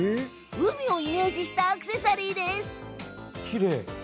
海をイメージしたアクセサリーです。